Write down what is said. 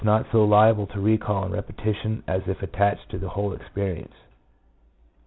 JJ not so liable to recall and repetition as if attached to the whole experience.